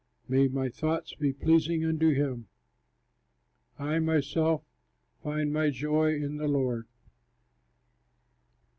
May my thoughts be pleasing unto him; I myself find my joy in the Lord.